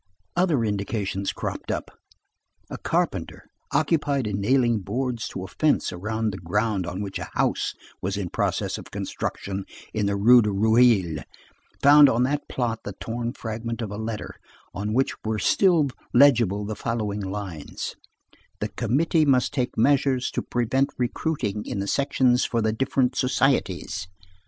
Other indications cropped up. A carpenter, occupied in nailing boards to a fence around the ground on which a house was in process of construction, in the Rue de Reuilly found on that plot the torn fragment of a letter on which were still legible the following lines:— The committee must take measures to prevent recruiting in the sections for the different societies.